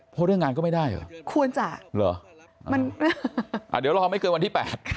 เพราะเรื่องงานก็ไม่ได้เหรอควรจะเหรอมันอ่าเดี๋ยวรอไม่เกินวันที่๘ค่ะ